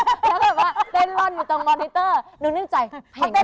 แล้วก็แบบว่าเต้นรอดอยู่ตรงมอนิเตอร์หนูนึงใจเพลงเลย